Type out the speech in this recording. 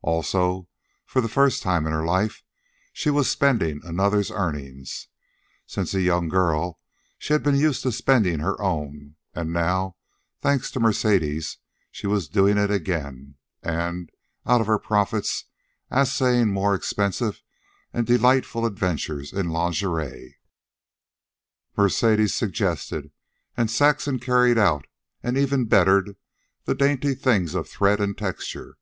Also, for the first time in her life she was spending another's earnings. Since a young girl she had been used to spending her own, and now, thanks to Mercedes she was doing it again, and, out of her profits, assaying more expensive and delightful adventures in lingerie. Mercedes suggested, and Saxon carried out and even bettered, the dainty things of thread and texture.